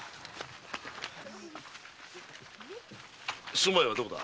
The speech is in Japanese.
住まいはどこだ？